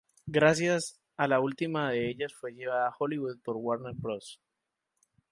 Gracias a la última de ellas fue llevada a Hollywood por Warner Bros.